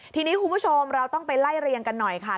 ทีนี้คุณผู้ชมเราต้องไปไล่เรียงกันหน่อยค่ะ